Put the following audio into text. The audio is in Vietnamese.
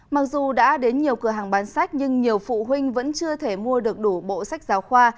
mặc dù đã đến nhiều cửa hàng bán sách nhưng nhiều phụ huynh vẫn chưa thể mua được đủ bộ sách giáo khoa